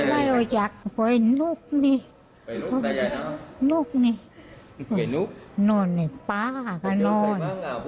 ไม่เจอกับใครละอีกตอน